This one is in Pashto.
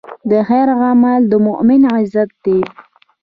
د خیر عمل د مؤمن عزت دی.